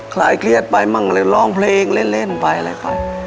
คลายเครียดไปมั่งอะไรร้องเพลงเล่นเล่นไปอะไรค่ะ